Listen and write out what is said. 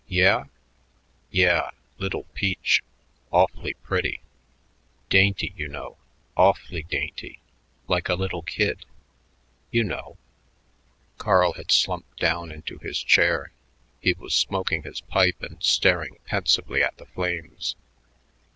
"Yeah?" "Yeah. Little peach. Awf'lly pretty. Dainty, you know. Awf'lly dainty like a little kid. You know." Carl had slumped down into his chair. He was smoking his pipe and staring pensively at the flames.